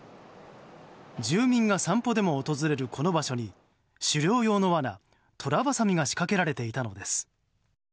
住民が散歩でも訪れるこの場所に狩猟用の罠、トラバサミが仕掛けられていたのです。